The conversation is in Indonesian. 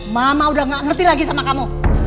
mama udah gak ngerti lagi sama kamu